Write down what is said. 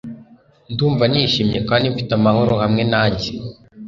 Ndumva nishimye kandi mfite amahoro hamwe nanjye.